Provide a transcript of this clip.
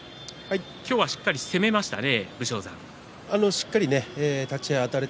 今日はしっかり攻めましたね